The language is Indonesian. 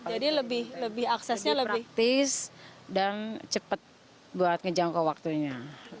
jadi lebih praktis dan cepat untuk menjangkau waktunya